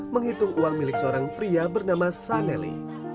menghitung uang milik seorang pria bernama saneli